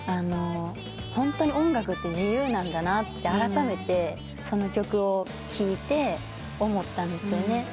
ホントに音楽って自由なんだなってあらためてその曲を聴いて思ったんですよね。